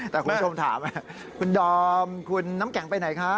แต่คุณผู้ชมถามคุณดอมคุณน้ำแข็งไปไหนคะ